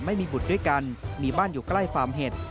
ไม่มีบุตรด้วยกันมีบ้านอยู่ใกล้ฟาร์มเห็ด